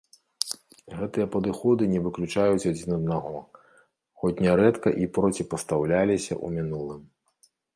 Гэтыя падыходы не выключаюць адзін аднаго, хоць нярэдка і проціпастаўляліся ў мінулым.